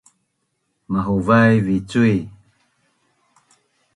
Mahuvaiv vi cui